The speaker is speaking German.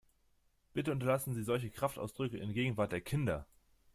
Bitte unterlassen Sie solche Kraftausdrücke in Gegenwart der Kinder!